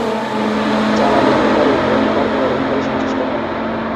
Jalaluddin তার অধিকার পুনরুদ্ধারে সচেষ্ট হন।